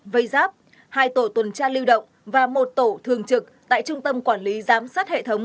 vây giáp hai tổ tuần tra lưu động và một tổ thường trực tại trung tâm quản lý giám sát hệ thống